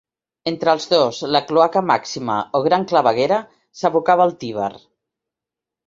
Entre el dos, la Cloaca Maxima, o Gran claveguera, s'abocava al Tíber.